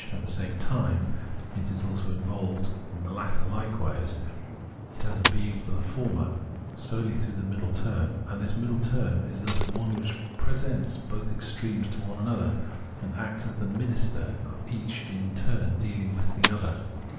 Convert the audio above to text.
at the same time, is also involved that the latter hke ^nse has a being for the former, solely through that middle term ; and this naiddle term is thus one which presents both extremes to one another, and acts as the minister of each in turn in deahng with the other.